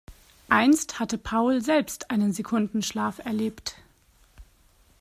Einst hatte Paul selbst einen Sekundenschlaf erlebt.